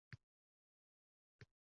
Kap-katta odamlar tushunib yetmaydi